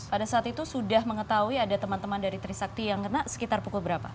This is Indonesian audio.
pada saat itu sudah mengetahui ada teman teman dari trisakti yang kena sekitar pukul berapa